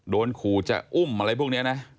โดนขู่จะอุ้มอะไรพวกนี้นะ